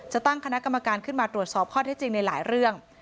ตั้งคณะกรรมการขึ้นมาตรวจสอบข้อเท็จจริงในหลายเรื่อง